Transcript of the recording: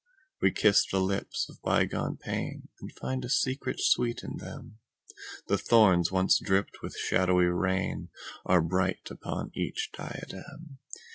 We kiss the lips of bygone painAnd find a secret sweet in them:The thorns once dripped with shadowy rainAre bright upon each diadem.